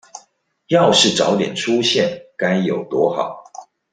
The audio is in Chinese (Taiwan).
要是早點出現該有多好